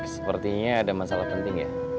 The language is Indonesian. sepertinya ada masalah penting ya